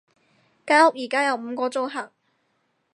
間屋而家有五個租客